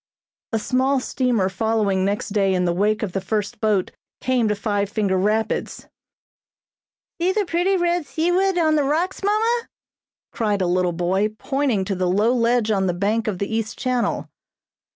A small steamer following next day in the wake of the first boat, came to Five Finger Rapids. "See the pretty red seaweed on the rocks, mamma," cried a little boy, pointing to the low ledge on the bank of the east channel.